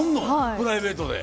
プライベートで。